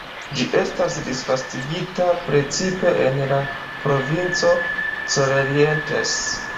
Ĝi esta disvastigita precipe en la provinco Corrientes.